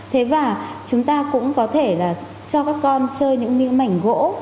thế và chúng ta cũng có thể là cho các con chơi những miếu mảnh gỗ